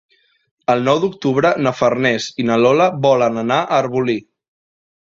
El nou d'octubre na Farners i na Lola volen anar a Arbolí.